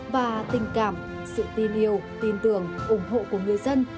và tình cảm sự tin yêu tin tưởng ủng hộ của người dân